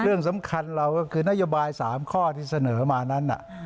เรื่องสำคัญเราก็คือนโยบาย๓ข้อที่เสนอมานั้น